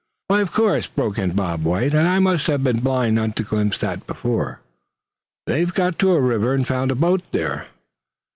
"Why, of course," broke in Bob White; "and I must have been blind not to have glimpsed that before. They've got to a river, and found a boat there.